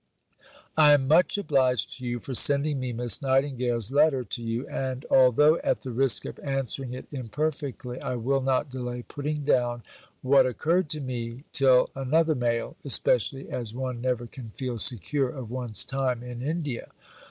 I am much obliged to you for sending me Miss Nightingale's letter to you, and although at the risk of answering it imperfectly, I will not delay putting down what occurred to me till another mail especially as one never can feel secure of one's time in India.